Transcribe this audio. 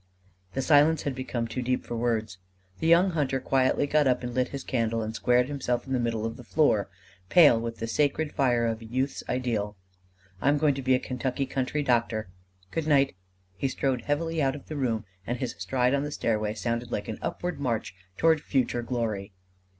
The silence had become too deep for words. The young hunter quietly got up and lit his candle and squared himself in the middle of the floor, pale with the sacred fire of a youth's ideal. "I am going to be a Kentucky country doctor. Good night!" He strode heavily out of the room, and his stride on the stairway sounded like an upward march toward future glory.